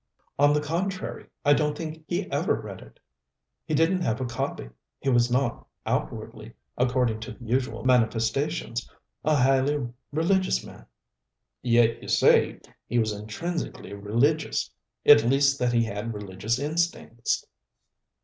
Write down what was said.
"On the contrary I don't think he ever read it. He didn't have a copy. He was not, outwardly, according to the usual manifestations, a highly religious man." "Yet you say he was intrinsically religious? At least, that he had religious instincts?"